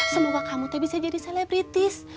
semoga kamu bisa jadi selebritis